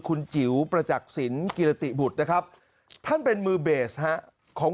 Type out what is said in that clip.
คุณจิ๋วประจักษิณกิรติบุตรนะครับท่านเป็นมือเบสฮะของ